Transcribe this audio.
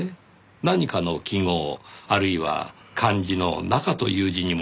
何かの記号あるいは漢字の「中」という字にも見えますが。